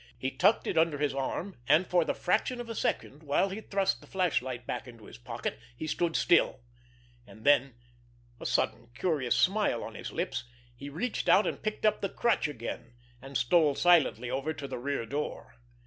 He tucked it under his arm, and for the fraction of a second, while he thrust the flashlight back into his pocket, he stood still; and then, a sudden, curious smile on his lips, he reached out and picked up the crutch again, and stole silently over to the rear door.